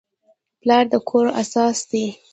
پلار د کور اساس دی.